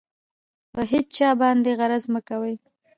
په هېچا باندې غرض مه کوئ.